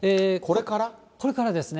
これからですね。